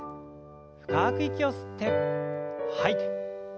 深く息を吸って吐いて。